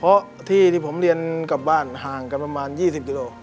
เพราะที่ที่ผมเรียนกลับบ้านห่างกันประมาณ๒๐กิโล